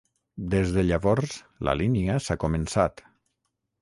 Des de llavors, la línia s'ha començat.